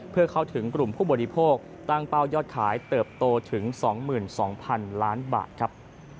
เพื่อเข้าถึงกลุ่มผู้บริโภคตั้งเป้ายอดขายเติบโตถึง๒๒๐๐๐ล้านบาทครับ